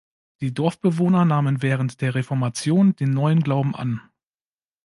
Die Dorfbewohner nahmen während der Reformation den neuen Glauben an.